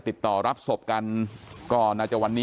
อยู่ดีมาตายแบบเปลือยคาห้องน้ำได้ยังไง